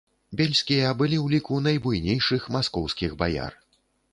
Бельскія былі ў ліку найбуйнейшых маскоўскіх баяр.